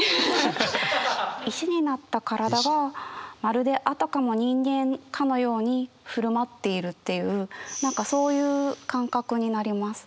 石になった体がまるであたかも人間かのように振る舞っているっていう何かそういう感覚になります。